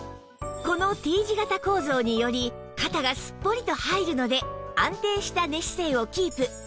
この Ｔ 字型構造により肩がすっぽりと入るので安定した寝姿勢をキープ